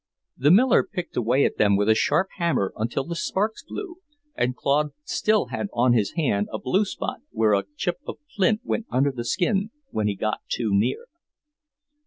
The miller picked away at them with a sharp hammer until the sparks flew, and Claude still had on his hand a blue spot where a chip of flint went under the skin when he got too near.